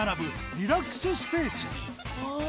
リラックススペースにわぁ。